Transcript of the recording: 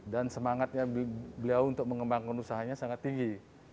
dan semangatnya beliau untuk mengembangkan usahanya sangat tinggi